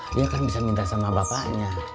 dia kan bisa minta sama bapaknya